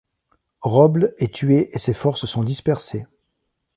Robles est tué et ses forces sont dispersées.